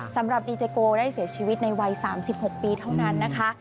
สำหรับดีเจโกได้เสียชีวิตในวัย๓๖ปีเท่านั้นนะคะ